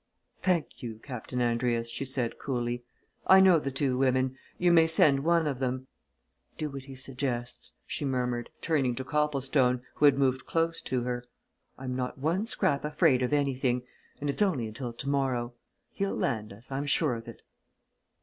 "Thank you, Captain Andrius," she said coolly. "I know the two women. You may send one of them. Do what he suggests," she murmured, turning to Copplestone, who had moved close to her, "I'm not one scrap afraid of anything and it's only until tomorrow. He'll land us I'm sure of it."